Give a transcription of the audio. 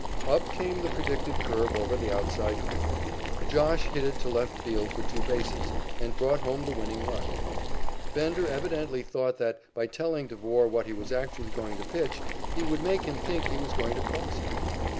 Up came the predicted curve over the outside corner. "Josh" hit it to left field for two bases, and brought home the winning run. Bender evidently thought that, by telling Devore what he was actually going to pitch, he would make him think he was going to cross him.